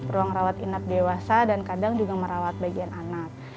ruang rawat inap dewasa dan kadang juga merawat bagian anak